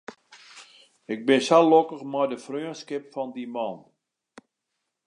Ik bin sa lokkich mei de freonskip fan dy man.